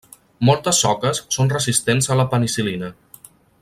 Moltes soques són resistents a la penicil·lina.